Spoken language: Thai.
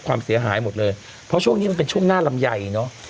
ความเสียหายหมดเลยเพราะช่วงนี้มันเป็นช่วงหน้าลำไยเนอะ